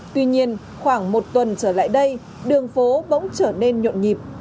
trở lại đây đường phố bỗng trở nên nhộn nhịp